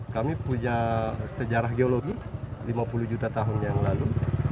kami punya sejarah geologi lima puluh juta tahun yang lalu